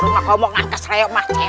jangan berbicara bicara dengan saya cemen